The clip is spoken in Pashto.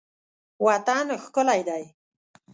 وطن ښکلی دی.